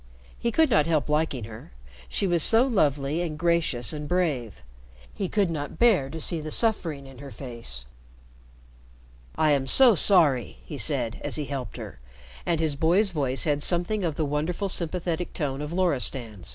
He could not help liking her. She was so lovely and gracious and brave. He could not bear to see the suffering in her face. "I am so sorry!" he said, as he helped her, and his boy's voice had something of the wonderful sympathetic tone of Loristan's.